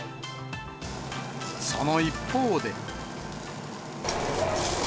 その一方で。